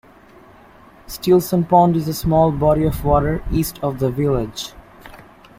Stilson Pond is a small body of water east of the village.